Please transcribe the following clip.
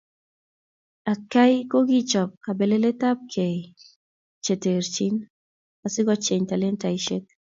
Atkai kokichop kabeleletabkei che terchin asikocheny talentaisiek